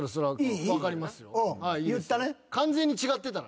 完全に違ってたら。